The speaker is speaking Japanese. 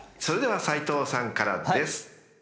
［それでは斎藤さんからです］